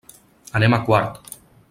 Anem a Quart.